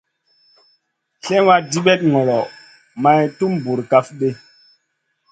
Slèmma dibèt ŋolo may tum bura kaf ɗi.